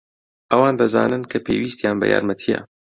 ئەوان دەزانن کە پێویستیان بە یارمەتییە.